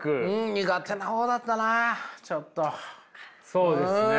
そうですね。